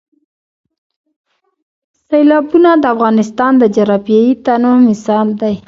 سیلابونه د افغانستان د جغرافیوي تنوع مثال دی.